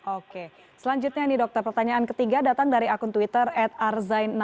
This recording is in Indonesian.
oke selanjutnya nih dokter pertanyaan ketiga datang dari akun twitter at arz